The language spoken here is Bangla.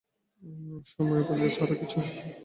সময় অপচয় ছাড়া কিছু না।